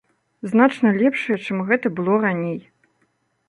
Значна лепшыя, чым гэта было раней.